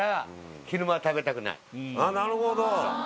なるほど。